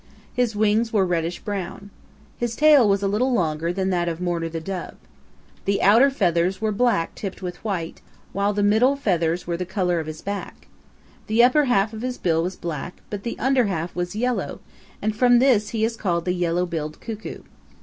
His wings were reddish brown. His tail was a little longer than that of Mourner the Dove. The outer feathers were black tipped with white, while the middle feathers were the color of his back. The upper half of his bill was black, but the under half was yellow, and from this he is called the Yellow billed Cuckoo.